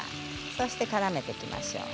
そして、からめていきましょう。